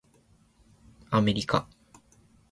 アメリカ